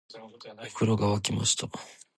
お風呂が湧きました